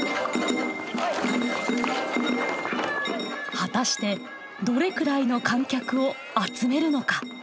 果たしてどれくらいの観客を集めるのか。